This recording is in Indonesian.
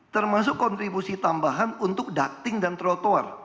termasuk kontribusi tambahan untuk ducting dan trotoar